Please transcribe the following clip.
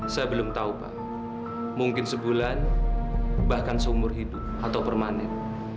saya belum tahu pak mungkin sebulan bahkan seumur hidup atau permanen